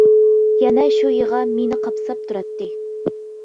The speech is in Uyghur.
يەنە شۇ يىغا مېنى قاپساپ تۇراتتى.